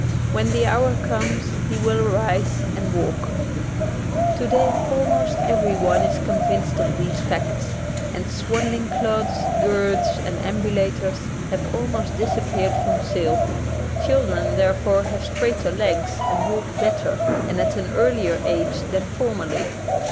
When the hour comes he will arise and walk. Today almost everyone is convinced of these facts, and swaddling clothes, girths, and ambulators have almost disappeared from sale. Children, therefore, have straighter legs and walk better and at an earlier age than formerly.